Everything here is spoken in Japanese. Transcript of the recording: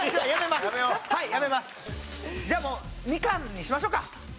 じゃあもうみかんにしましょうか。